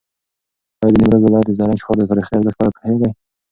ایا د نیمروز ولایت د زرنج ښار د تاریخي ارزښت په اړه پوهېږې؟